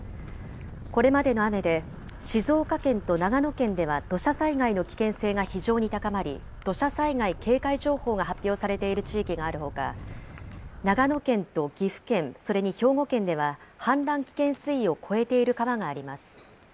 これまでの雨で、静岡県と長野県では土砂災害の危険性が非常に高まり、土砂災害警戒情報が発表されている地域があるほか、長野県と岐阜県、それに兵庫県では、氾濫危険水位を超えている川があります。